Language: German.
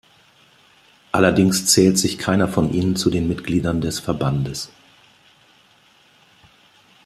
Allerdings zählt sich keiner von ihnen zu den Mitgliedern des Verbandes.